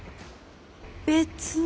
別に。